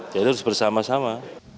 jadi harus bersama sama